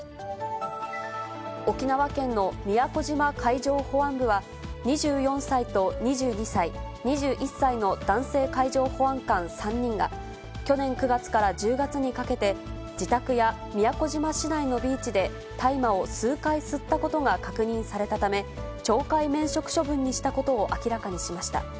沖縄県の宮古島海上保安部は、２４歳と２２歳、２１歳の男性海上保安官３人が、去年９月から１０月にかけて、自宅や宮古島市内のビーチで大麻を数回吸ったことが確認されたため、懲戒免職処分にしたことを明らかにしました。